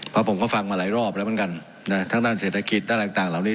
เพราะผมก็ฟังมาหลายรอบแล้วเหมือนกันทั้งด้านเศรษฐกิจทั้งเหล่านี้